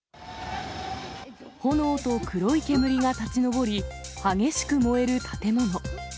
炎と黒い煙が立ち上り、激しく燃える建物。